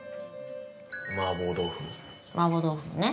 マーボー豆腐もね。